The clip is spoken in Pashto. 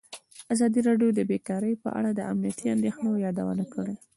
ازادي راډیو د بیکاري په اړه د امنیتي اندېښنو یادونه کړې.